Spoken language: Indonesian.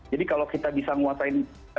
jadi kalau kita bisa menguasai